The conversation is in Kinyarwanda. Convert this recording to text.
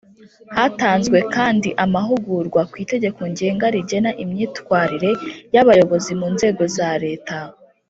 hatanzwe kandi amahugurwa ku itegeko ngenga rigena imyitwarire y’abayobozi mu nzego za leta